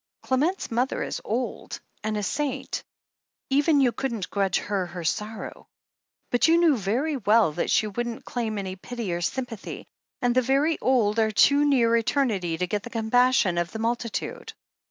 Clement's mother is old, and a saint — even you couldn't grudge her her sorrow; but you knew very well that she wouldn't claim any pity or sympathy — ^and the very old are too near eternity to get the compassion of the multi tude.